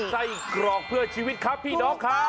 ไส้กรอกเพื่อชีวิตครับพี่น้องครับ